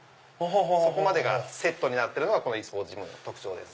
そこまでがセットになってるのがｅスポーツジムの特徴です。